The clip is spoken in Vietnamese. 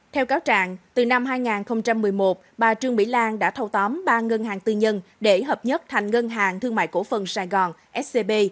theo cáo trạng từ năm hai nghìn một mươi một bà trương mỹ lan đã thâu tóm ba ngân hàng tư nhân để hợp nhất thành ngân hàng thương mại cổ phần sài gòn scb